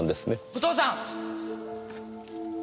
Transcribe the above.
お父さん！